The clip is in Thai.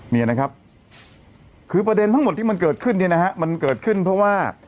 นี่นะครับคือประเด็นทั้งหมดที่มันเกิดขึ้นเนี่ยนะฮะมันเกิดขึ้นเพราะว่า